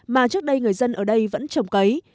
mà trước đây người dân ở đây vẫn trồng cấy